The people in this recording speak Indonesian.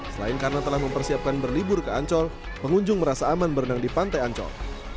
selain karena telah mempersiapkan berlibur ke ancol pengunjung merasa aman berenang di pantai ancol